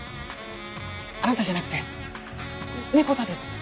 あなたじゃなくてネコ太です。